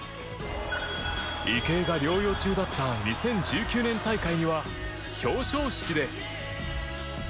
池江が療養中だった２０１９年大会には表彰式で。